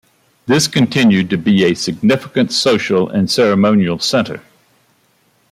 This continued to be a significant social and ceremonial center.